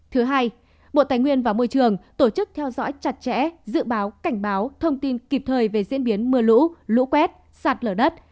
thứ hai bộ tài nguyên và môi trường tổ chức theo dõi chặt chẽ dự báo cảnh báo thông tin kịp thời về diễn biến mưa lũ lũ quét sạt lở đất